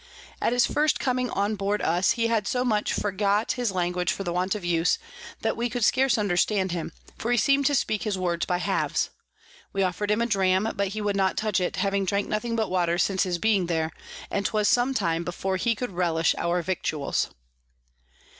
At his first coming on board us, he had so much forgot his Language for want of Use, that we could scarce understand him, for he seem'd to speak his words by halves. We offer'd him a Dram, but he would not touch it, having drank nothing but Water since his being there, and 'twas some time before he could relish our Victuals.